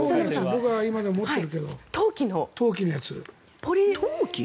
僕は今でも持ってるけど陶器のやつ。